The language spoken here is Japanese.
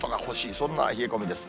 そんな冷え込みです。